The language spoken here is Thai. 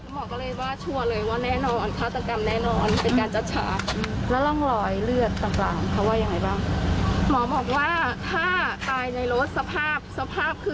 หมอก็เลยว่าชัวร์เลยว่าแน่นอนฆาตกรรมแน่นอนเป็นการจัดฉาก